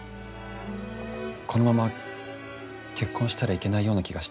このまま結婚したらいけないような気がして。